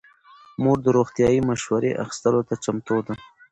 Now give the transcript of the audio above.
مور د روغتیايي مشورې اخیستلو ته چمتو ده.